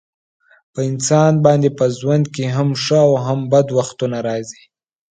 په انسان باندې په ژوند کې هم ښه او هم بد وختونه راځي.